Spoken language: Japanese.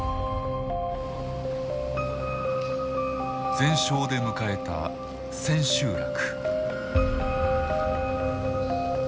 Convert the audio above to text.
全勝で迎えた千秋楽。